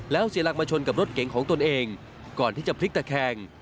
แล้วเสียหลักมาชนกับรถเก๋งของตนเองก่อนที่จะพลิกตะแคง